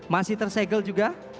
masih tersegel juga